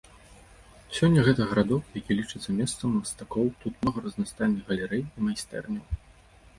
Сёння гэта гарадок, які лічыцца месцам мастакоў, тут многа разнастайных галерэй і майстэрняў.